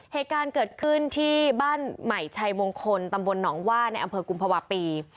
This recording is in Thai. เหตุการณ์เกิดขึ้นที่บ้านใหม่ชัยมงคลตำบลหนองว่าในอำเภอกุมภาวะปี